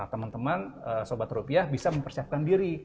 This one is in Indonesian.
teman teman sobat rupiah bisa mempersiapkan diri